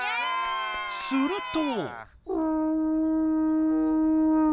すると。